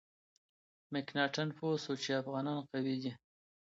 مکناتن پوه شو چې افغانان قوي دي.